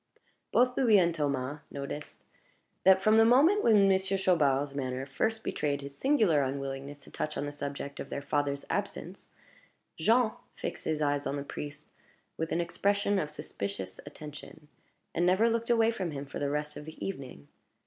Both Louis and Thomas noticed that, from the moment when Monsieur Chaubard's manner first betrayed his singular unwillingness to touch on the subject of their father's absence, Jean fixed his eyes on the priest with an expression of suspicious attention, and never looked away from him for the rest of the evening.